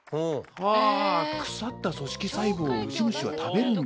はあ腐った組織細胞をウジ虫は食べるんだ。